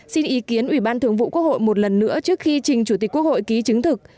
xin ý kiến ủy ban thường vụ quốc hội một lần nữa trước khi trình chủ tịch quốc hội ký chứng thực